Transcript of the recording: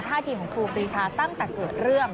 ท่าทีของครูปรีชาตั้งแต่เกิดเรื่อง